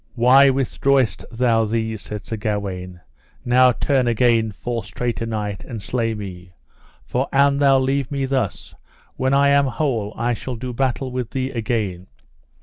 Why withdrawest thou thee? said Sir Gawaine; now turn again, false traitor knight, and slay me, for an thou leave me thus, when I am whole I shall do battle with thee again.